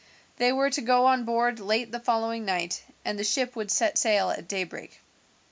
They were to go on board late the following night, and the ship would set sail at daybreak.